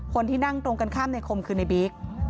คนที่นั่งตรงกันข้ามในคมคือในบิ๊ก